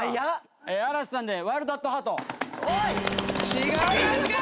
違う。